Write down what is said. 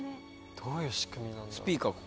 どういう仕組みなんだろう。